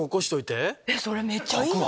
それめっちゃいい！